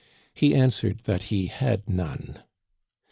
He answered that he had none.